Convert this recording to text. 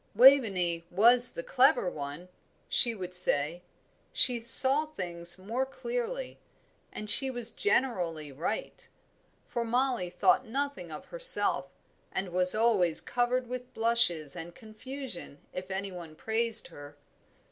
"Waveney was the clever one," she would say; "she saw things more clearly, and she was generally right;" for Mollie thought nothing of herself, and was always covered with blushes and confusion if any one praised her.